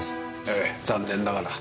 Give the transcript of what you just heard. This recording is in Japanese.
ええ残念ながら。